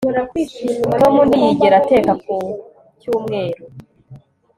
Tom ntiyigera ateka ku cyumweru